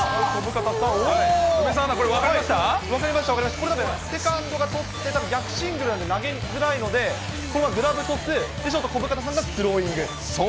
これ今、セカンドが捕って、逆シングルなので投げづらいので、これはグラブトス、ショートの小深田さんがスローイング。